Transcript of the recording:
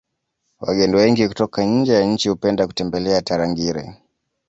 wageni wengi kutoka nje ya nchi hupenda kutembelea tarangire